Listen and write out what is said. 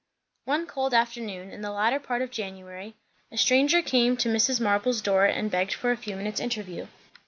One cold afternoon in the latter part of January, a stranger came to Mrs. Marble's door and begged for a few minutes' interview.